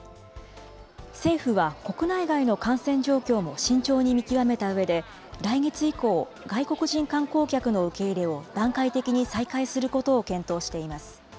政府は、国内外の感染状況も慎重に見極めたうえで、来月以降、外国人観光客の受け入れを段階的に再開することを検討しています。